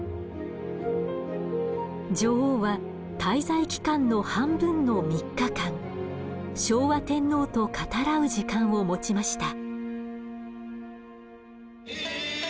女王は滞在期間の半分の３日間昭和天皇と語らう時間を持ちました。